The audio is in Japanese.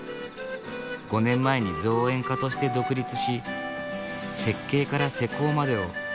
５年前に造園家として独立し設計から施工までを１人でこなす。